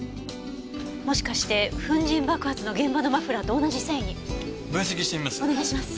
もしかして粉塵爆発の現場のマフラーと同じ繊維？分析してみます。